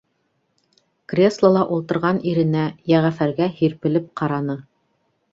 Креслола ултырған иренә, Йәғәфәргә, һирпелеп ҡараны.